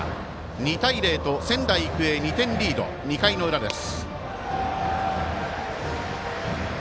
２対０と仙台育英２点リード、２回の裏です。